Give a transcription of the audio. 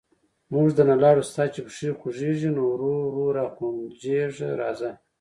موږ درنه لاړو، ستا چې پښې خوګېږي، نو ورو ورو را غونجېږه راځه...